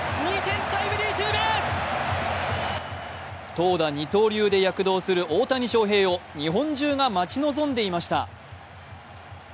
投打二刀流で躍動する大谷翔平を日本中が待ち望んでいました。